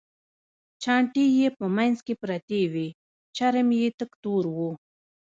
چانټې یې په منځ کې پرتې وې، چرم یې تک تور و.